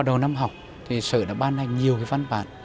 sau đầu năm học thì sở đã ban hành nhiều văn bản